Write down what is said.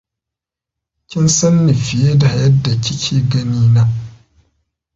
Kin sanni fiye da yadda ki ke gani na.